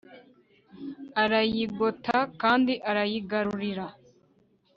arayigota kandi arayigarurira